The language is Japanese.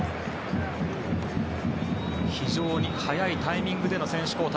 非常に早いタイミングでの選手交代。